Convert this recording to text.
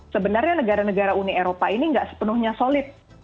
sebenarnya negara negara uni eropa ini nggak sepenuhnya solid